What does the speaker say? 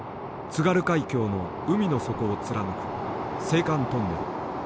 津軽海峡の海の底を貫く青函トンネル。